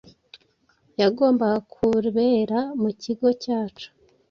yagombaga kubera mu kigo cyacu